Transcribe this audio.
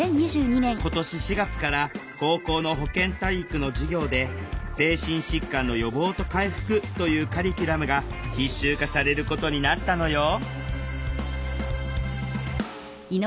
今年４月から高校の保健体育の授業で「精神疾患の予防と回復」というカリキュラムが必修化されることになったのよ